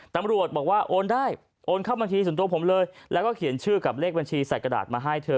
ตำรวจบอกว่าโอนได้โอนเข้าบัญชีส่วนตัวผมเลยแล้วก็เขียนชื่อกับเลขบัญชีใส่กระดาษมาให้เธอ